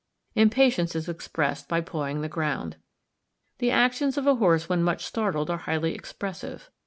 Impatience is expressed by pawing the ground. The actions of a horse when much startled are highly expressive.